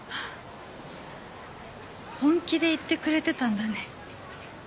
本気で言ってくれてたんだね。